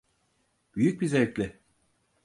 Büyük bir zevkle.